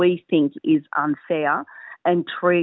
yang kita pikir tidak adil